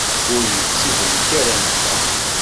Ur yettttibrik ara, netttta.